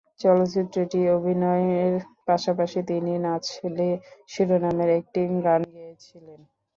চলচ্চিত্রটি অভিনয়ের পাশাপাশি তিনি "নাচ লে" শিরোনামের একটি গান গেয়েছিলেন।